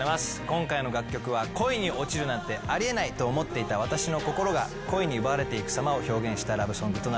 今回の楽曲は恋に落ちるなんてあり得ないと思っていた私の心が恋に奪われていくさまを表現したラブソングとなっております。